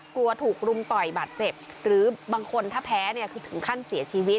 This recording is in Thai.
กลัวถูกรุมต่อยบาดเจ็บหรือบางคนถ้าแพ้เนี่ยคือถึงขั้นเสียชีวิต